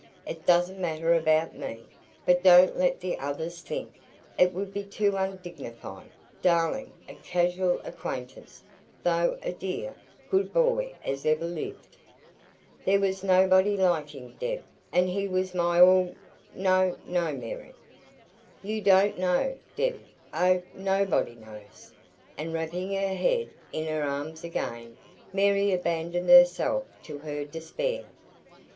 It doesn't matter about me, but don't let the others think It would be too undignified, darling a casual acquaintance though a dear, good boy as ever lived " "There was nobody like him, Deb, and he was my all " "No, no, Mary " "You don't know, Debbie oh, nobody knows!" And wrapping her head in her arms again, Mary abandoned herself to her despair.